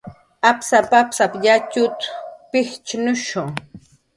"Apsap"" apsap"" yatxut"" pijchnushu"